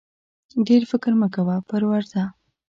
ډېر فکر مه کوه پر ورځه!